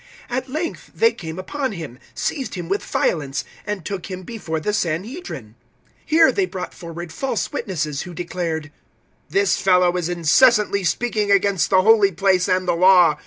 At length they came upon him, seized him with violence, and took him before the Sanhedrin. 006:013 Here they brought forward false witnesses who declared, "This fellow is incessantly speaking against the Holy Place and the Law.